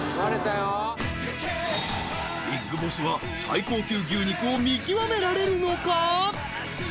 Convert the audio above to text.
ビッグボスは最高級牛肉を見極められるのか？